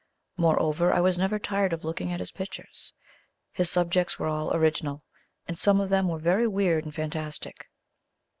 Moreover, I was never tired of looking at his pictures. His subjects were all original, and some of them were very weird and fantastic.